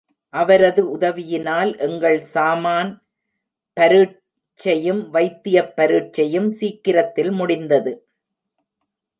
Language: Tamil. அவரது உதவியினால் எங்கள் சாமான் பரீட்சையும், வைத்தியப் பரீட்சையும் சீக்கிரத்தில் முடிந்தது.